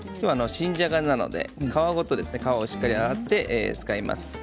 新じゃがなので皮をしっかり洗って皮ごと使います。